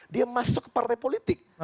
dia masuk partai politik